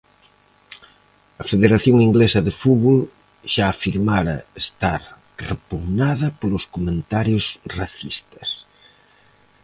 A Federación Inglesa de Fútbol xa afirmara estar repugnada polos comentarios racistas.